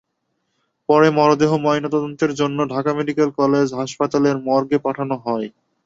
পরে মরদেহ ময়নাতদন্তের জন্য ঢাকা মেডিকেল কলেজ হাসপাতালের মর্গে পাঠানো হয়।